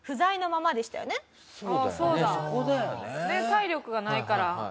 体力がないから。